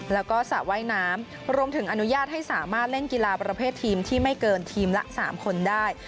แล้วก็สระว่ายน้ำรวมถึงอนุญาตให้สามารถเล่นกีฬาประเภททีมที่ไม่เกินทีมละ๓คนได้